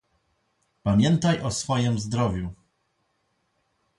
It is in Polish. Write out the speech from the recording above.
"Pamiętaj o swojem zdrowiu!"